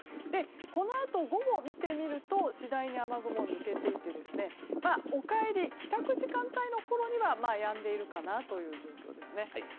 このあと午後を見てみると次第に雨雲は抜けていって帰宅時間帯のころにはやんでいるかなという状況です。